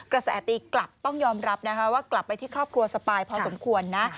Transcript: แสตีกลับต้องยอมรับนะคะว่ากลับไปที่ครอบครัวสปายพอสมควรนะ